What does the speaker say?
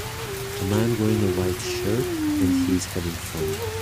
A man wearing a white shirt and he is having fun